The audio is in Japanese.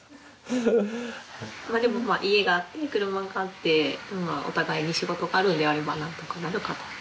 まあでも家があって車があってお互いに仕事があるのであればなんとかなるから。